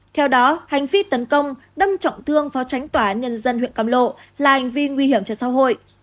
theo đó hành vi tấn công đâm trọng thương vào tránh tòa nhân dân huyện càm lộ là hành vi nguy hiểm cho xã hội